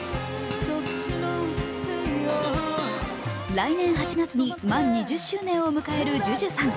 来年８月に満２０周年を迎えるＪＵＪＵさん。